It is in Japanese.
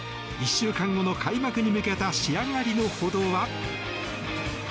１週間後の開幕に向けた仕上がりのほどは。